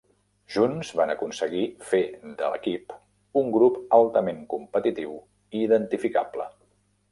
Junts van aconseguir fer de l'equip un grup altament competitiu i identificable.